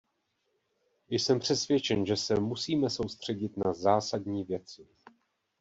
Jsem přesvědčen, že se musíme soustředit na zásadní věci.